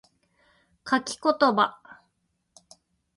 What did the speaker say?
書き言葉